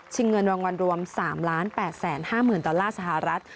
ชิงเงินรางวัลรวม๓๘๕๐๐๐๐บาทสหรัฐ